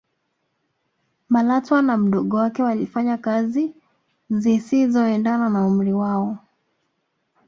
malatwa na mdogo wake walifanya kazi zisizoendana na umri wao